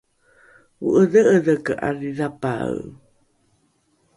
o’edhe’edheke ’adhidhapae